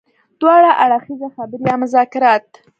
دوه اړخیزه خبرې يا مذاکرات.